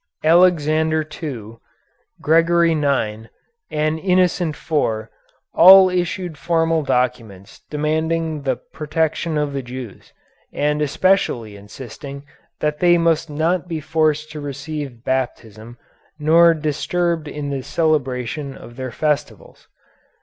Alexander II, Gregory IX, and Innocent IV all issued formal documents demanding the protection of the Jews, and especially insisting that they must not be forced to receive Baptism nor disturbed in the celebration of their festivals.